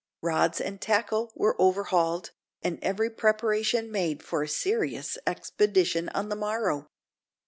Rods and tackle were overhauled, and every preparation made for a serious expedition on the morrow.